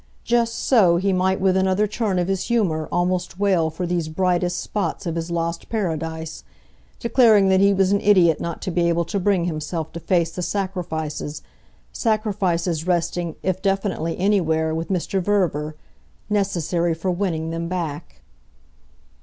Just so he might with another turn of his humour almost wail for these brightest spots of his lost paradise, declaring that he was an idiot not to be able to bring himself to face the sacrifices sacrifices resting, if definitely anywhere, with Mr. Verver necessary for winning them back.